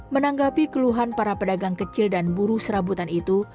menanggapi keluhan para pedagang kecil dan buruh serabutan itu